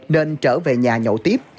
nên trở về nhà nhậu tiếp